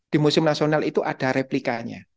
di museum nasional itu ada replikanya